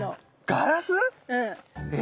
ガラス？え⁉